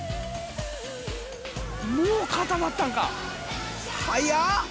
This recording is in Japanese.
もう固まったんか！？